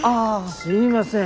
すいません。